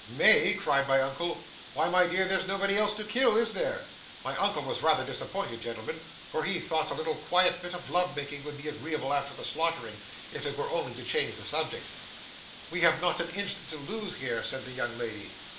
'"May!" cried my uncle; "why, my dear, there's nobody else to kill, is there?" My uncle was rather disappointed, gentlemen, for he thought a little quiet bit of love making would be agreeable after the slaughtering, if it were only to change the subject. '"We have not an instant to lose here," said the young lady.